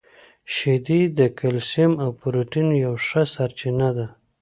• شیدې د کلسیم او پروټین یوه ښه سرچینه ده.